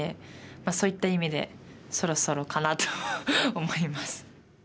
まあそういった意味でそろそろかなと思います。